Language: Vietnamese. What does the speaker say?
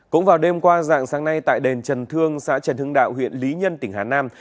cũng vào đêm qua dạng sáng nay tại đền trần thương xã trần hưng đạo huyện lý nhân tỉnh hà nam